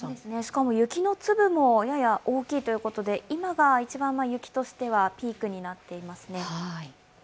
しかも雪の粒もやや大きいということで、今が一番雪としてはピークとなっていますね。